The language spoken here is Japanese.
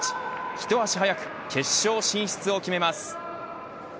ひと足早く決勝進出を決めます。